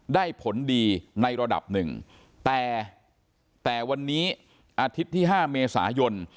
ได้ผลดีในระดับหนึ่งแต่แต่วันนี้อาทิตย์ที่๕เมษายน